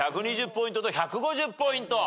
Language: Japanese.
１２０ポイントと１５０ポイント。